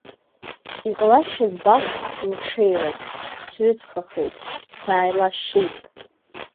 Иҟалазшәа збахт мҽеирак, сҩыҵхахеит, сааилашит.